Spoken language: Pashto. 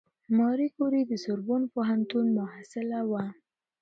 ماري کوري د سوربون پوهنتون محصله وه.